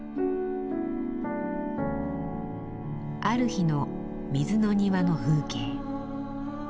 ある日の水の庭の風景。